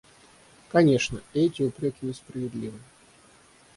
Конечно, и эти упреки несправедливы.